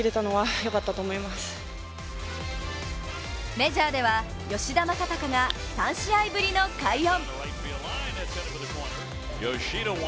メジャーでは、吉田正尚が３試合ぶりの快音。